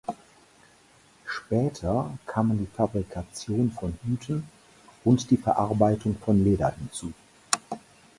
Später kamen die Fabrikation von Hüten und die Verarbeitung von Leder hinzu.